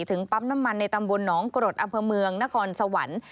ถึงปั๊มน้ำมันในตำบลหนองกรดอำเภอเมืองนครสวรรค์